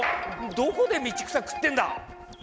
どこで道草食ってんだ！